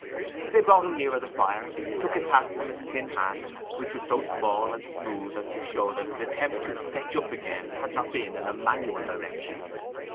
They brought him nearer the fire, took his hat from his thin hand, which was so small and smooth as to show that his attempts to fetch up again had not been in a manual direction.